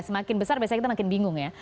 semakin besar biasanya kita makin bingung ya